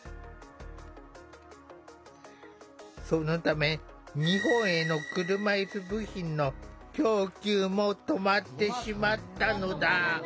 そのため、日本への車いす部品の供給も止まってしまったのだ。